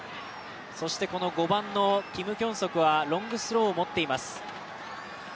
この５番のキム・キョンソクはロングスローを持っています。